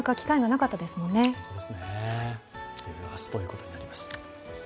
いよいよ明日ということになります。